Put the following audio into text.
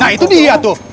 nah itu dia tuh